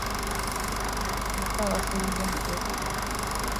Bantu bameka abafiride mu kwekalakaasa?